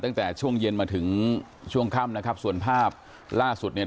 ตั้งแต่ช่วงเย็นมาถึงช่วงค่ำนะครับส่วนภาพล่าสุดเนี่ย